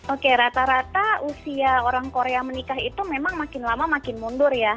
oke rata rata usia orang korea menikah itu memang makin lama makin mundur ya